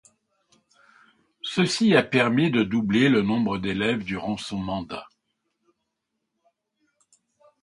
Ceci a permis de doubler le nombre d'élèves durant son mandat.